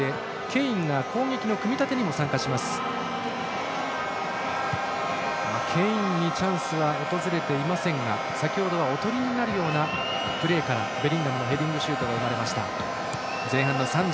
ケインにチャンスは訪れていませんが先ほどはおとりになるようなプレーからベリンガムのヘディングシュートが生まれました。